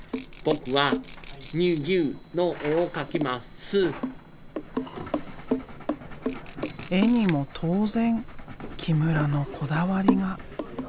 絵にも当然木村のこだわりが。